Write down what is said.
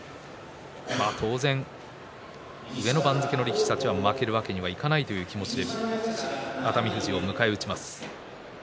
当然、上の番付の力士たちは負けるわけにはいかないという気持ちで、熱海富士を迎え撃ちます。